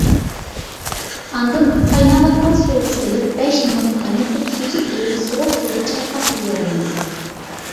ئاندىن قايناۋاتقان سۇغا سېلىپ بەش مىنۇت قاينىتىپ، سۈزۈپ ئېلىپ سوغۇق سۇدا چايقاپ تەييارلىنىدۇ.